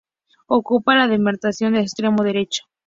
Ocupa la demarcación de extremo derecho.